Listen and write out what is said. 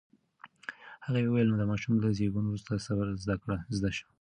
هغې وویل، د ماشوم له زېږون وروسته صبر زده شوی.